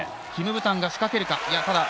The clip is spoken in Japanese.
キム・ブタンが仕掛けるか。